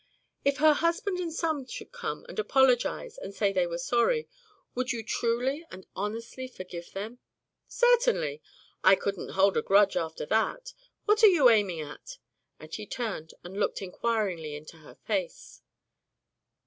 "If her husband and son should come and apologize and say they were sorry, would you truly and honestly forgive them?" "Certainly! I couldn't hold a grudge after that. What are you aiming at?" and he turned and looked inquiringly into her face.